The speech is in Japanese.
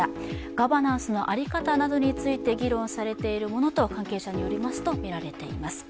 ガバナンスの在り方などについて議論されているものと関係者によるとみられています。